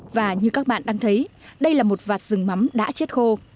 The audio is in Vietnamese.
và như các bạn đang thấy đây là một vạt rừng mắm đã chết khô